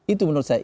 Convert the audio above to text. itu menurut saya